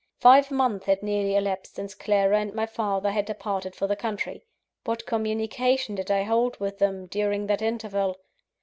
Five months had nearly elapsed since Clara and my father had departed for the country. What communication did I hold with them, during that interval?